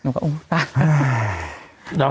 อืม